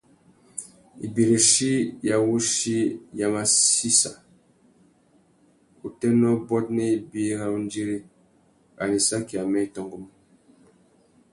Ibirichi ya wuchi ya massissa utênê ôbôt nà ibi râ undiri ; arandissaki amê i tôngômú.